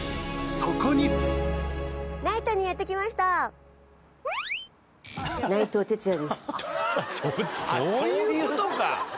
そういうことか。